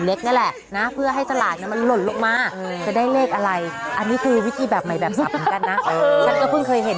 เราเปิดลงก่อนเรียกจับปุ๊บลงก่อน